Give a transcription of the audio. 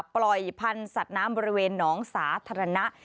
ปล่อยพันธุ์สัตว์น้ำบริเวณหนองสาธารณะ